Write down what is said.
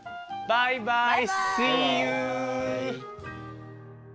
バイバイ。